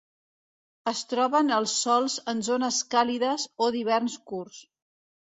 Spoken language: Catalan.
Es troben als sòls en zones càlides o d'hiverns curts.